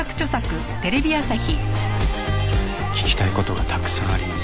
聞きたい事がたくさんあります。